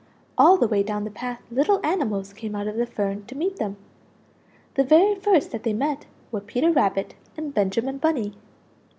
All the way down the path little animals came out of the fern to meet them; the very first that they met were Peter Rabbit and Benjamin Bunny!